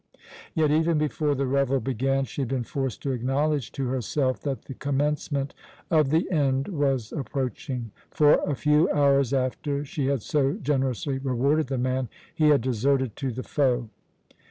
Yet, even before the revel began, she had been forced to acknowledge to herself that the commencement of the end was approaching; for, a few hours after she had so generously rewarded the man, he had deserted to the foe.